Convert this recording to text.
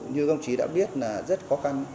như công chí đã biết là rất khó khăn